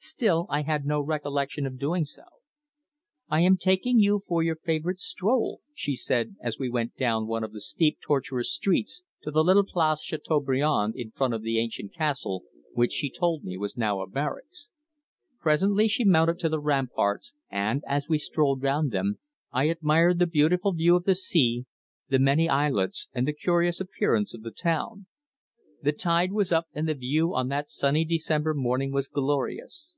Still, I had no recollection of doing so. "I am taking you for your favourite stroll," she said, as we went down one of the steep, tortuous streets to the little Place Châteaubriand in front of the ancient castle, which, she told me, was now a barracks. Presently she mounted to the ramparts, and as we strolled round them, I admired the beautiful view of the sea, the many islets, and the curious appearance of the town. The tide was up, and the view on that sunny December morning was glorious.